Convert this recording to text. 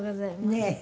ねえ。